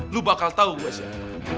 lo bakal tau whatsapp gue